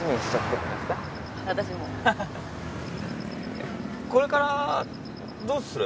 えっこれからどうする？